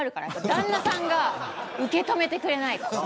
旦那さんが受け止めてくれないと。